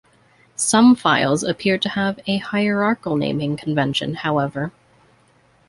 Some files appear to have a hierarchical naming convention, however.